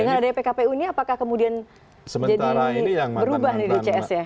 dengan adanya pkpu ini apakah kemudian jadi berubah nih dcs ya